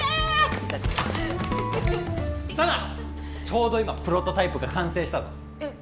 ちょうど今プロトタイプが完成したぞえっ